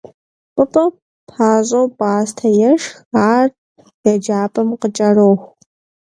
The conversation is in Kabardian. Пӏытӏэ пащӏэу пӏастэ ешх, ар еджапӏэм къыкӏэроху.